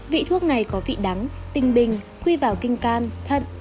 vị thuốc này có vị đắng tinh bình quy vào kinh can thận